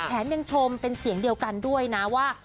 แถมยังชมเป็นเสียงเดียวกันด้วยนะว่า